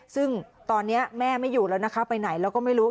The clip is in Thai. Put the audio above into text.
ซึ่งตอนนี้แม่ไม่อยู่แล้วนะคะไปไหนแล้วก็ไม่รู้